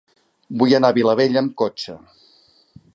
Vull anar a Vilabella amb cotxe.